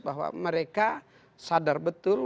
bahwa mereka sadar betul